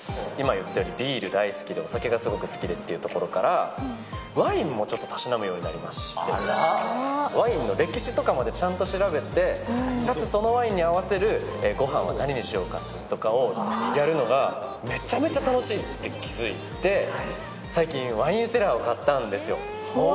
今言ったようにビール大好きでお酒がすごく好きでっていうところから、ワインもちょっとたしなむようになりまして、ワインの歴史とかまでちゃんと調べて、かつそのワインに合わせるごはんは何にしようかとかをやるのがめちゃめちゃ楽しいと気付いて、最近、ワインセラーを買ったんですよ。